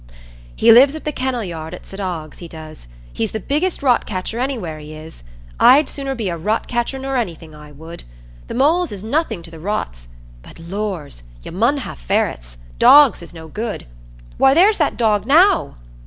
"He lives up the Kennel Yard at Sut Ogg's, he does. He's the biggest rot catcher anywhere, he is. I'd sooner, be a rot catcher nor anything, I would. The moles is nothing to the rots. But Lors! you mun ha' ferrets. Dogs is no good. Why, there's that dog, now!"